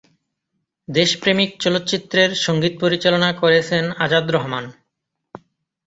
দেশপ্রেমিক চলচ্চিত্রের সঙ্গীত পরিচালনা করেছেন আজাদ রহমান।